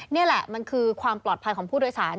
นี่แหละมันคือความปลอดภัยของผู้โดยสาร